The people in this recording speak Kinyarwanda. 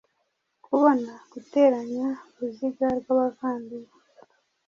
Kubona guteranya uruziga rwabavandimwe